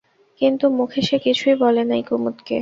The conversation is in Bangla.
কিন্তু মুখে সে কিছুই বলে নাই কুমুদকে।